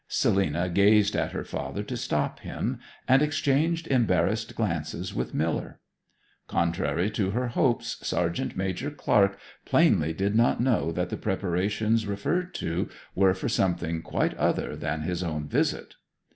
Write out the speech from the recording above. Selina gazed at her father to stop him, and exchanged embarrassed glances with Miller. Contrary to her hopes Sergeant Major Clark plainly did not know that the preparations referred to were for something quite other than his own visit.